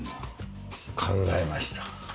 考えました。